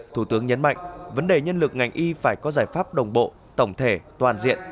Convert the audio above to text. thủ tướng nhấn mạnh vấn đề nhân lực ngành y phải có giải pháp đồng bộ tổng thể toàn diện